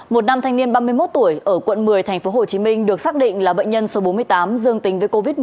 một nam thanh niên ba mươi một tuổi ở quận một mươi tp hcm được xác định là bệnh nhân số bốn mươi tám dương tính với covid một mươi chín